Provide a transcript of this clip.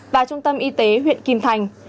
và trung tâm y tế huyện kim thành